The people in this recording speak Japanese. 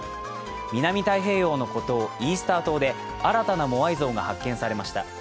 南太平洋の孤島・イースター島で新たなモアイ像が発見されました。